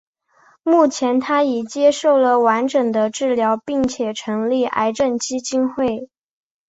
目前她已接受了完整的治疗并且成立癌症基金会。